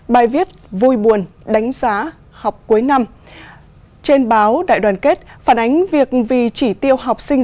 bài viết vui buồn đánh giá học cuối năm trên báo đại đoàn kết phản ánh việc vì chỉ tiêu học sinh